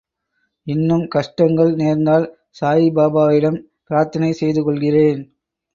இன்னும் கஷ்டங்கள் நேர்ந்தால் சாயிபாபாவிடம் பிரார்த்தனை செய்து கொள்கிறேன்.